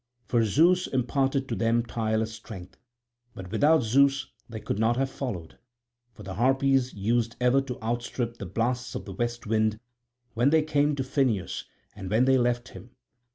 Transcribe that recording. For Zeus imparted to them tireless strength; but without Zeus they could not have followed, for the Harpies used ever to outstrip the blasts of the west wind when they came to Phineus and when they left him.